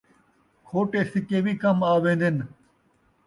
کھوٹے سکے وی کم آوین٘دن